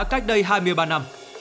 cách đây hai mươi ba năm